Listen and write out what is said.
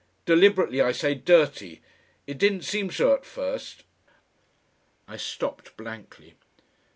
Deliberately I say, dirty. It didn't seem so at first " I stopped blankly.